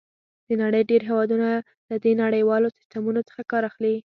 د نړۍ ډېر هېوادونه له دې نړیوالو سیسټمونو څخه کار اخلي.